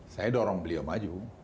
saya dorong beliau maju